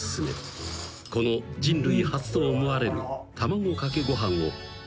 この人類初と思われる卵かけご飯をこう名付けた］